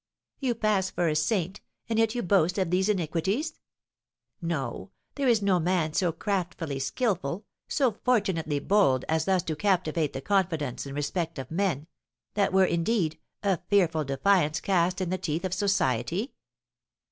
"You pass for a saint, and yet you boast of these iniquities! No, there is no man so craftily skilful, so fortunately bold, as thus to captivate the confidence and respect of men; that were, indeed, a fearful defiance cast in the teeth of society!"